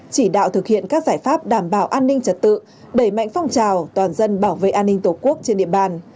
chỉ đạo thực hiện các giải pháp đảm bảo an ninh trật tự đẩy mạnh phong trào toàn dân bảo vệ an ninh tổ quốc trên địa bàn